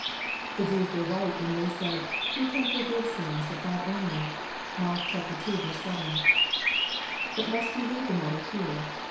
The Jews were right when they said, " Who can forgive sins but God only ?" (Mark ii. 7.) But must we leave the matter here